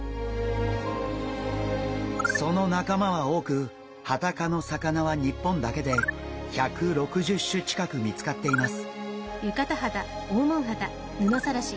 その仲間は多くハタ科の魚は日本だけで１６０種近く見つかっています。